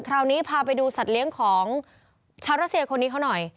คราวนี้พาไปดูสัตว์เลี้ยงของชาวรัสเซียคนนี้เขาหน่อย